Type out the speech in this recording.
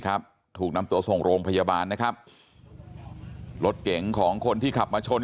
ถูกนำตัวส่งโรงพยาบาลนะครับรถเก๋งของคนที่ขับมาชน